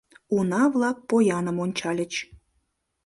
Уна-влак пояным ончальыч.